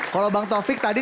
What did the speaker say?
kalau bang taufik tadi